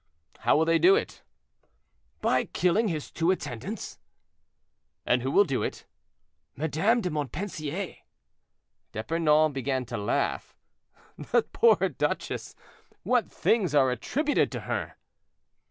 "How will they do it?" "By killing his two attendants." "And who will do it?" "Madame de Montpensier." D'Epernon began to laugh. "That poor duchess; what things are attributed to her!"